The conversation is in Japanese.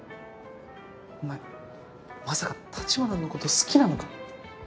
お前まさか橘のこと好きなのか？